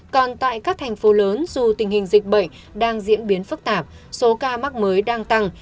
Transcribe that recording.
còn tại các thành phố lớn dù tình hình dịch bệnh đang diễn biến phức tạp số ca mắc mới đang tăng